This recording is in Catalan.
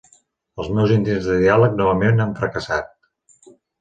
Els meus intents de diàleg novament han fracassat.